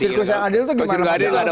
sirkus yang adil itu gimana